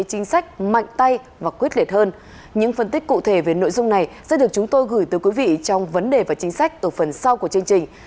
các tin tức cụ thể về nội dung này sẽ được chúng tôi gửi tới quý vị trong vấn đề và chính sách tổ phần sau của chương trình